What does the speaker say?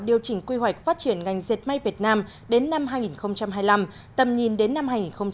điều chỉnh quy hoạch phát triển ngành dệt may việt nam đến năm hai nghìn hai mươi năm tầm nhìn đến năm hai nghìn ba mươi